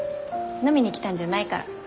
飲みに来たんじゃないから。